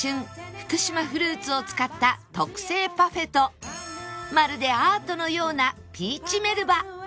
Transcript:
福島フルーツを使った特製パフェとまるでアートのようなピーチメルバ